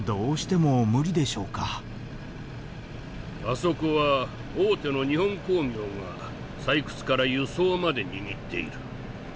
あそこは大手の日本鉱業が採掘から輸送まで握っている。